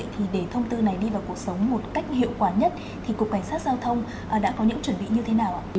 thì để thông tư này đi vào cuộc sống một cách hiệu quả nhất thì cục cảnh sát giao thông đã có những chuẩn bị như thế nào ạ